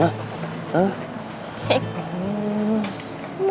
mau masang gini susah banget